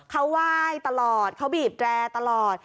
เขาไหว้ตลอดเขาบีบแรร์ตลอด